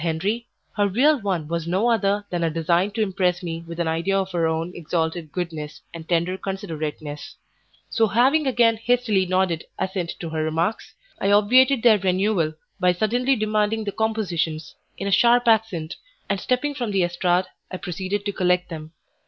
Henri, her real one was no other than a design to impress me with an idea of her own exalted goodness and tender considerateness; so having again hastily nodded assent to her remarks, I obviated their renewal by suddenly demanding the compositions, in a sharp accent, and stepping from the estrade, I proceeded to collect them.